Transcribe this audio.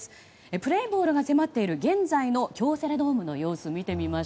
プレーボールが迫っている現在の京セラドームの様子です。